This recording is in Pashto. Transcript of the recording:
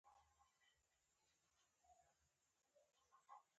چې خپل ورور ووژني.